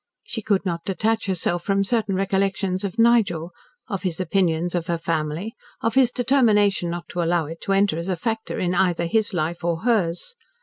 She could not detach herself from certain recollections of Nigel of his opinions of her family of his determination not to allow it to enter as a factor in either his life or hers.